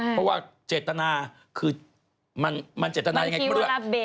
เพราะว่าเจตนาคือมันเจตนายังไงขึ้นมาด้วย